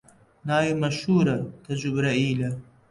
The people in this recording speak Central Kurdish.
ناوی مەشهوورە، کە جوبرەئیلە